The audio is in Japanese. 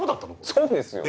そうですよ。